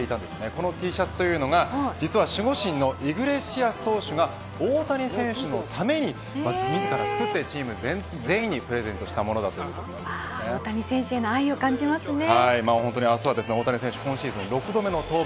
このＴシャツというのが実は守護神のイグレシアス投手が大谷選手のために自ら作ってチーム全員にプレゼントしたものだ大谷選手への愛を感じますね。